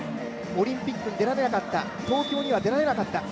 オリンピックに出られなかった、東京には出られなかった。